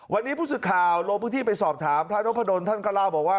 วันนี้มีหรือข่าวโลบพฤติไปสอบถามพระนวพะดลท่านก็เล่าบอกว่า